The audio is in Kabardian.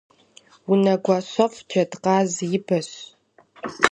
Унэгуащэфӏ джэдкъаз и бэщ.